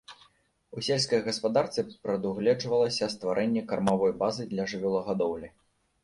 У сельскай гаспадарцы прадугледжвалася стварэнне кармавой базы для жывёлагадоўлі.